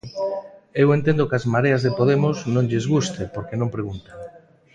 Eu entendo que ás Mareas de Podemos non lles guste, porque non preguntan.